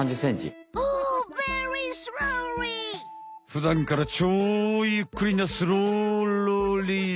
ふだんから超ゆっくりなスローロリス。